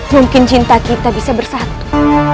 mungkin cinta kita bisa bersatu